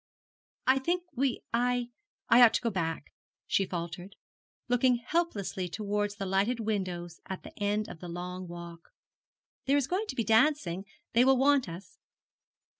'I think we I ought to go back,' she faltered, looking helplessly towards the lighted windows at the end of the long walk. 'There is going to be dancing. They will want us.'